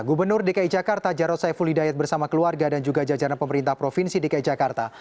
gubernur dki jakarta jarod saiful hidayat bersama keluarga dan juga jajanan pemerintah provinsi dki jakarta